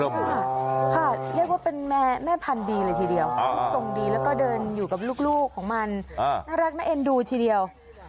เรียกว่าเป็นแม่พันธุ์ดีเลยทีเดียวทรงดีแล้วก็เดินอยู่กับลูกของมันน่ารักน่าเอ็นดูทีเดียว